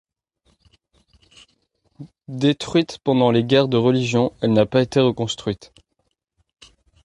Détruite pendant les guerres de religion, elle n'a pas été reconstruite.